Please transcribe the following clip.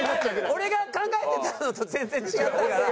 俺が考えてたのと全然違ったから。